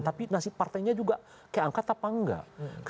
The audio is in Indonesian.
tapi nasib partainya juga keangkat apa enggak